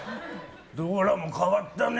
ドーラも変わったね。